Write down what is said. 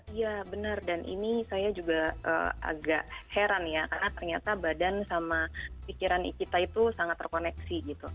iya benar dan ini saya juga agak heran ya karena ternyata badan sama pikiran kita itu sangat terkoneksi gitu